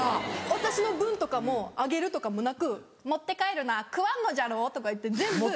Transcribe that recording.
私の分とかも「あげる」とかもなく「持って帰るな食わんのじゃろ？」とか言って全部。